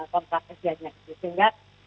kontrak kerjanya sehingga